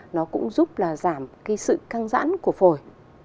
nó cũng giúp là giảm cái sự căng dãn của phổi